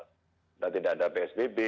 kita tidak ada psbb